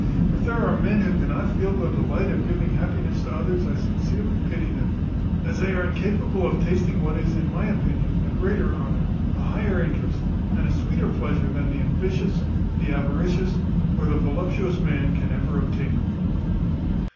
If there are men who cannot feel the delight of giving happiness to others, I sincerely pity them, as they are incapable of tasting what is, in my opinion, a greater honour, a higher interest, and a sweeter pleasure than the ambitious, the avaricious, or the voluptuous man can ever obtain."